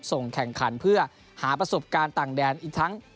ส่งแข่งขันเพื่อหาประสบการณ์ต่างแดนอีกทั้ง